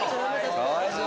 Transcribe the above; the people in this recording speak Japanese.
かわいそう！